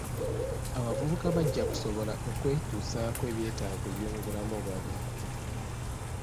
Abavubuka bajja kusobola okwetuusaako ebyetaago by'omu bulamu obwa bulijjo.